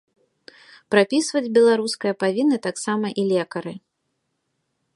Прапісваць беларускае павінны таксама і лекары.